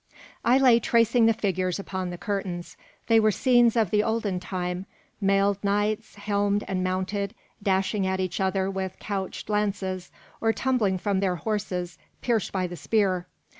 I lay tracing the figures upon the curtains. They were scenes of the olden time mailed knights, helmed and mounted, dashing at each other with couched lances, or tumbling from their horses, pierced by the spear.